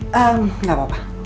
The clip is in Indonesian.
eee enggak apa apa